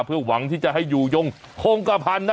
เพื่อหวังที่จะให้อยู่ยงคงกระพันธ์นะ